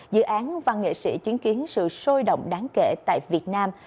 dự án văn nghệ sĩ chứng kiến sự sôi động đáng kể tại việt nam